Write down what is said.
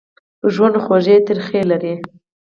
ژوند خوږې ترخې لري.